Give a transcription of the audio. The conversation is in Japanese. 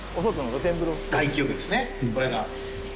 外気浴ですねこれが。